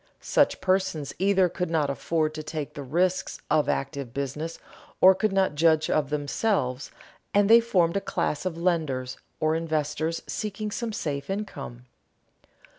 Such persons either could not afford to take the risks of active business, or could not judge of them, and they formed a class of lenders or investors seeking some safe income.